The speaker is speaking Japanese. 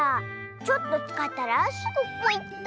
ちょっとつかったらすぐポイっと！